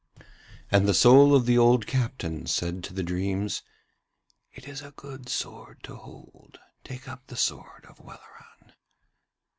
And the soul of the old captain said to the dreams: 'It is a good sword to hold: take up the sword of Welleran.'